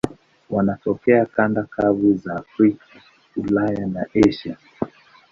Wanatokea kanda kavu za Afrika, Ulaya na Asia.